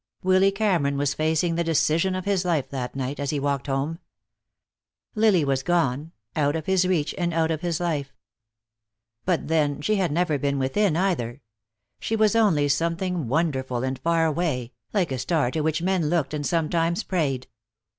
Willy Cameron was facing the decision of his life that night, as he walked home. Lily was gone, out of his reach and out of his life. But then she had never been within either. She was only something wonderful and far away, like a star to which men looked and sometimes prayed.